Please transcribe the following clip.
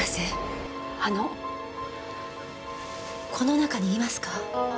あのこの中にいますか？